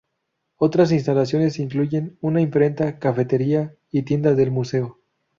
Otras instalaciones incluyen una imprenta, cafetería y tienda del museo.